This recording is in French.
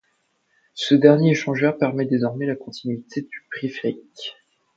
Ce dernier échangeur permet désormais la continuité du périphérique.